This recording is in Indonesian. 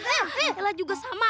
eh elah juga sama